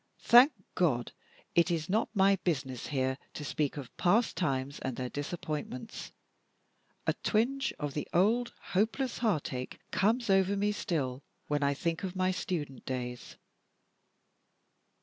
Thank God, it is not my business here to speak of past times and their disappointments. A twinge of the old hopeless heartache comes over me sometimes still, when I think of my student days.